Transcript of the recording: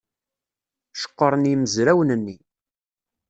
Ceqqren yimezrawen-nni.